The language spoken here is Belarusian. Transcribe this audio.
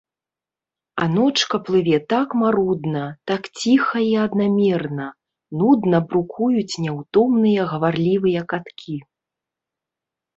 А ночка плыве так марудна, так ціха і аднамерна, нудна брукуюць няўтомныя гаварлівыя каткі.